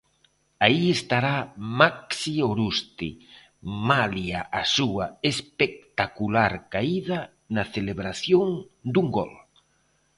Aí estará Maxi Oruste, malia a súa espectacular caída na celebración dun gol.